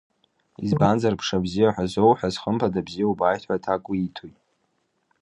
Избанзар Мшабзиа ҳәа зоуҳәаз хымԥада Бзиа убааит ҳәа аҭак уиҭоит.